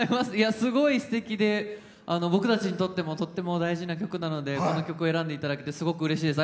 すごいすてきで僕たちにとってもとっても大事な曲なのでこの曲を選んでいただけてすごくうれしいです。